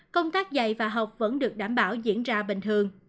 công tác dạy và học vẫn được đảm bảo diễn ra bình thường